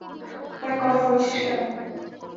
ফোনে কথা বলছিস কেন?